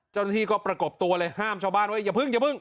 เจ้าหน้าที่ก็ประกบตัวเลยห้ามชาวบ้านว่าอย่าเพิ่งอย่าเพิ่ง